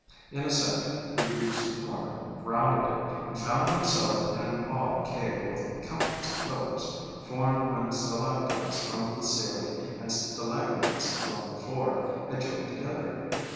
In a second he reached the corner, rounded it, and found himself in an odd cave with countless pillars, formed when stalactites from the ceiling and stalagmites from the floor had joined together.